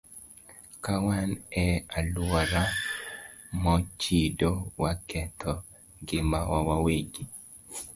Ka wan e alwora mochido, waketho ngimawa wawegi.